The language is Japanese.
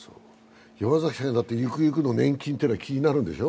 山崎さんだってゆくゆくの年金は気になるんでしょう？